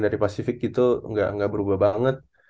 dari pacific itu gak berubah banget